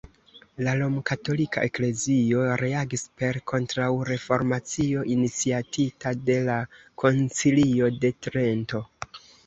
La Romkatolika Eklezio reagis per Kontraŭreformacio iniciatita de la Koncilio de Trento.